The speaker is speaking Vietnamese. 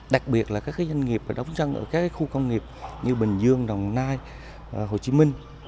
đặc biệt là các doanh nghiệp đóng chân ở các khu công nghiệp như bình dương đồng nai hồ chí minh